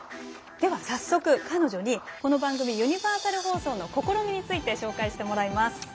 早速、彼女にこの番組、ユニバーサル放送の試みについて紹介してもらいます。